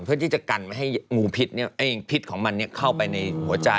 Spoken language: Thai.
เพื่อที่จะกันไม่ให้งูพิษพิษของมันเข้าไปในหัวใจ